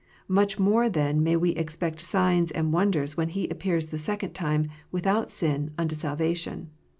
Much more then may we expect signs and wonders when He "appears the second time, without sin, unto salvation."